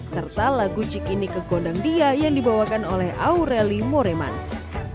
serta lagu cik ini ke gondang dia yang dibawakan oleh aureli moremans